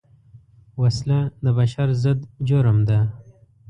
وسله د بشر ضد جرم ده